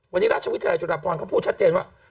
วันนี้ราชวิทยาลจุฬาพรเขาพูดชัดเจนว่า